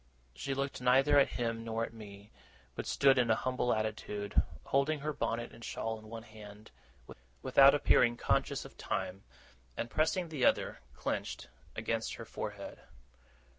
She looked neither at him nor at me, but stood in a humble attitude, holding her bonnet and shawl in one hand, without appearing conscious of them, and pressing the other, clenched, against her forehead.